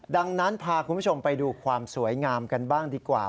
ดังนั้นพาคุณผู้ชมไปดูความสวยงามกันบ้างดีกว่า